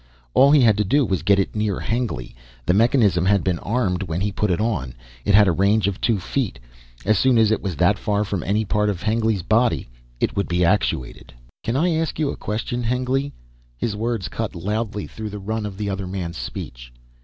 All he had to do was get it near Hengly, the mechanism had been armed when he put it on. It had a range of two feet. As soon as it was that far from any part of his body it would be actuated. "Can I ask you a question, Hengly?" His words cut loudly through the run of the other man's speech.